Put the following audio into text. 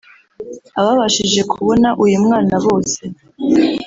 Ababashije kubona uyu mwana bose